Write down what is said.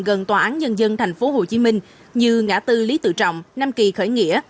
gần tòa án nhân dân tp hcm như ngã tư lý tự trọng nam kỳ khởi nghĩa